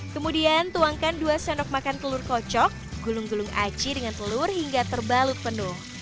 kemudian tuangkan dua sendok makan telur kocok gulung gulung aci dengan telur hingga terbalut penuh